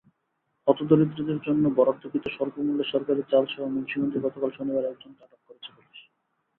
হতদরিদ্রদের জন্য বরাদ্দকৃত স্বল্পমূল্যের সরকারি চালসহ মুন্সিগঞ্জে গতকাল শনিবার একজনকে আটক করেছে পুলিশ।